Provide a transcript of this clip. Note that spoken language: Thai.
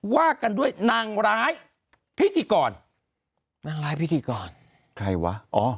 ว่ากันด้วยนางร้ายพิธีกรนางร้ายพิธีกรใครวะอ๋อ